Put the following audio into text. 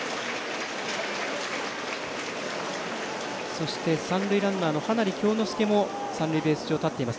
そして、三塁ランナーの羽成恭之介も三塁ベース上に立っています。